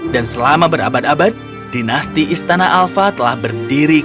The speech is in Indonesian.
dan selama berabad abad dinasti istana alfa telah berdiri kokoh